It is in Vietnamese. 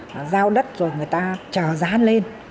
mà giao đất rồi người ta chờ giá lên